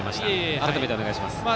改めてお願いします。